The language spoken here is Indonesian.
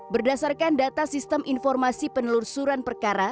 berdasarkan data sistem informasi penelusuran perkara